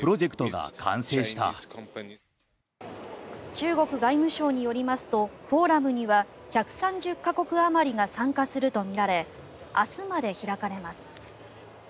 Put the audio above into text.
中国外務省によりますとフォーラムには１３０か国あまりが参加するとみられ明日まで開かれます。